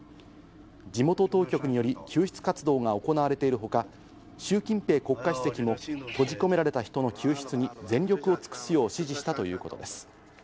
地元当局により救出活動が行われているほか、シュウ・キンペイ国家主席も閉じ込められた人の救出に全力を尽くすよう指示したということです。